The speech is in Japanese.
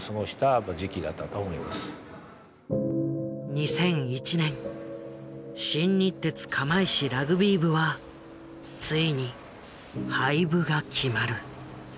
２００１年新日鉄釜石ラグビー部はついに廃部が決まる。